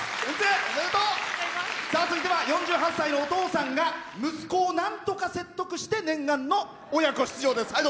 続いては４８歳のお父さんが息子をなんとか説得して念願の親子出場です。